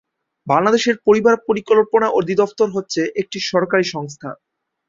বাংলাদেশের পরিবার পরিকল্পনা অধিদফতর হচ্ছে একটি সরকারি সংস্থা।